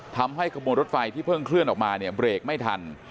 ทำให้กระบวนรถไฟที่เพิ่งเคลื่อนออกมาเนี่ยเบรกไม่ทัน